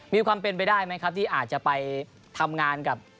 มีความเป็นไปได้ไหมครับที่อาจจะไปทำงานกับ